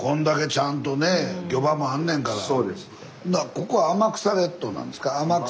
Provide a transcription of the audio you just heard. ここは天草列島なんですか？